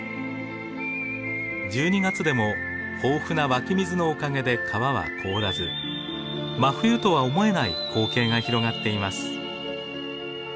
１２月でも豊富な湧き水のおかげで川は凍らず真冬とは思えない光景が広がっています。